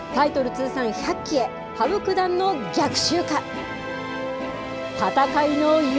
通算１００期へ、羽生九段の逆襲か。